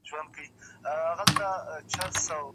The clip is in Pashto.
چی یې ځانونه مرګي ته سپر کړل